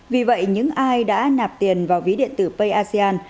vì vậy những ai đã nạp tiền vào ví điện tử paya